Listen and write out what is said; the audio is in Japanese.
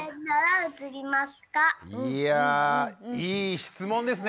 いやいい質問ですね。